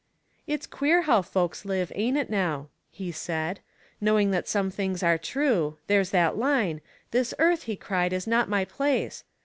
" It's queer how folks live, ain't it now ?" he said. " Knowing that some things are true — there's that line, ' This earth, he cried, is not my place.'